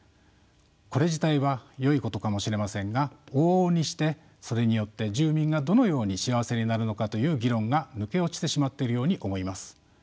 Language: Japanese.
これ自体はよいことかもしれませんが往々にしてそれによって住民がどのように幸せになるのかという議論が抜け落ちてしまっているように思います。